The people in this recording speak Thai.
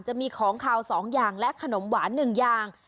จะมีของขาว๒อย่างและขนมหวาน๑อย่าง